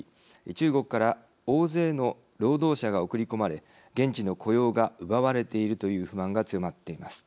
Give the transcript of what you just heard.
中国から大勢の労働者が送り込まれ現地の雇用が奪われているという不満が強まっています。